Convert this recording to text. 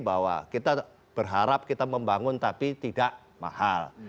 bahwa kita berharap kita membangun tapi tidak mahal